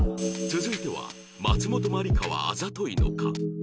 続いては「松本まりかはあざといのか？」